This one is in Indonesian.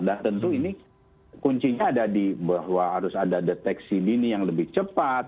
dan tentu ini kuncinya ada di bahwa harus ada deteksi dini yang lebih cepat